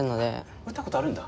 打ったことあるんだ？